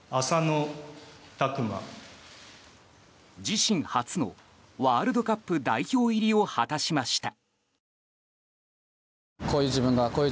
自身初のワールドカップ代表入りを果たしました。